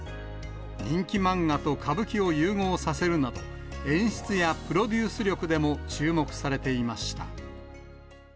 人気漫画と歌舞伎を融合させるなど、演出やプロデュース力でも注目されていました。